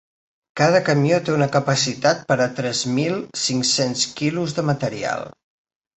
Cada camió té una capacitat per a tres mil cinc-cents quilos de material.